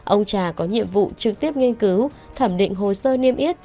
ông trà có nhiệm vụ trực tiếp nghiên cứu thẩm định hồ sơ niêm yết